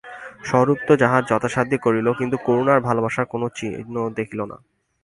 স্বরূপ তো তাহার যথাসাধ্য করিল, কিন্তু করুণার ভালোবাসার কোনো চিহ্ন দেখিল না।